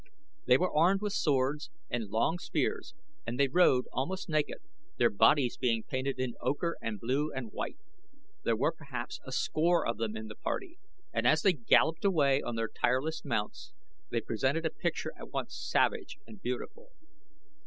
They were armed with swords and long spears and they rode almost naked, their bodies being painted in ochre and blue and white. There were, perhaps, a score of them in the party and as they galloped away on their tireless mounts they presented a picture at once savage and beautiful.